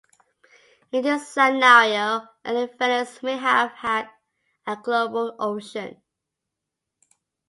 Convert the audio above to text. In this scenario, early Venus may have had a global ocean.